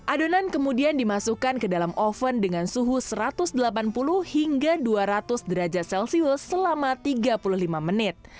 adonan kemudian dimasukkan ke dalam oven dengan suhu satu ratus delapan puluh hingga dua ratus derajat celcius selama tiga puluh lima menit